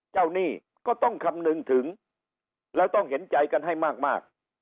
หนี้ก็ต้องคำนึงถึงแล้วต้องเห็นใจกันให้มาก